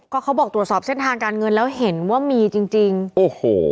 ก็เขาบอกตรวจสอบเส้นทางการเงินแล้วเห็นว่ามีจริงจริงโอ้โห